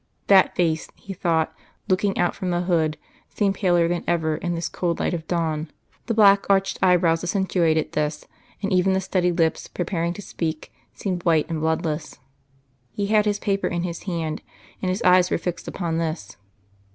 That face, he thought, looking out from the hood, seemed paler than ever in this cold light of dawn; the black arched eyebrows accentuated this, and even the steady lips, preparing to speak, seemed white and bloodless. He had His paper in His hand, and His eyes were fixed upon this.